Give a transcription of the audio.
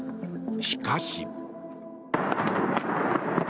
しかし。